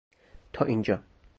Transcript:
تا اینجا